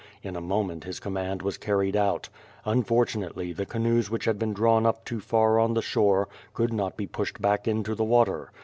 In a moment his command was carried out. Un fortunately the canoes which had been drawn up too far on the shore, could not be pushed back into the water.